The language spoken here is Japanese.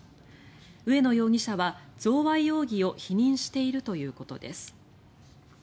植野容疑者は、贈賄容疑を否認しているということです。